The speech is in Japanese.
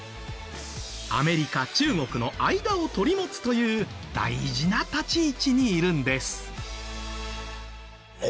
アメリカ中国の間を取り持つという大事な立ち位置にいるんです。